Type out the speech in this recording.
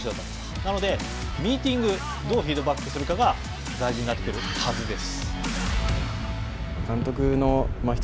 なので、ミーティング、どうフィードバックするかが大事になってくるはずです。